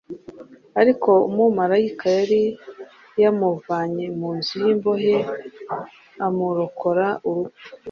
ariko umumarayika yari yamuvanye mu nzu y’imbohe amurokora urupfu.